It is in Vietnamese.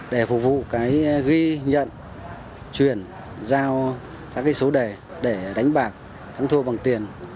để phục vụ ghi nhận truyền giao các số đề để đánh bạc thắng thua bằng tiền